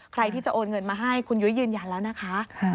ใครที่จะโอนเงินมาให้คุณยุ้ยยืนยันแล้วนะคะ